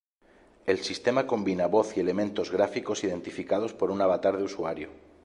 El sistema combina voz y elementos gráficos identificados por un avatar de usuario.